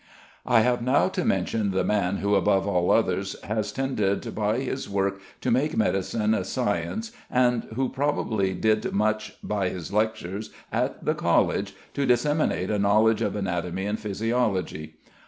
I have now to mention the man who, above all others, has tended by his work to make medicine a science, and who probably did much by his lectures at the College to disseminate a knowledge of anatomy and physiology.